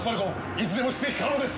いつでも出撃可能です！